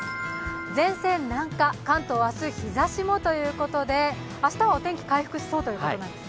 前線南下、関東、明日日ざしもということで、明日はお天気回復しそうということなんですね？